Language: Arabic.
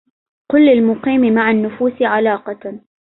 قل للمقيم مع النفوس علاقة